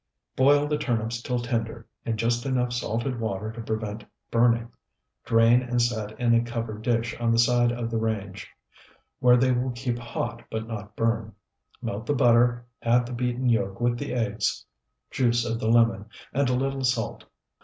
Boil the turnips till tender in just enough salted water to prevent burning; drain and set in a covered dish on the side of the range, where they will keep hot but not burn. Melt the butter, add the beaten yolk with the eggs, juice of the lemon, and a little salt.